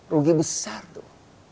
rugi besar tuh